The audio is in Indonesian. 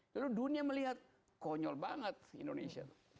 lalu dunia melihat konyol banget indonesia